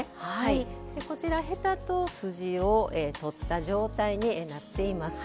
こちらヘタと筋を取った状態になっています。